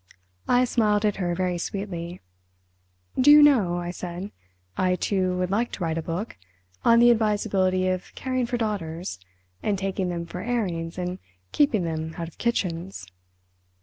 I smiled at her very sweetly. "Do you know," I said, "I, too, would like to write a book, on the advisability of caring for daughters, and taking them for airings and keeping them out of kitchens!"